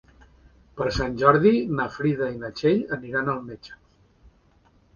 Per Sant Jordi na Frida i na Txell aniran al metge.